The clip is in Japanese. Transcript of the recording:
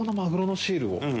シールね。